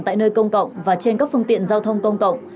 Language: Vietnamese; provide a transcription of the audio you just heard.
tại nơi công cộng và trên các phương tiện giao thông công cộng